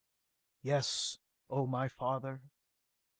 "Yes, O my father?"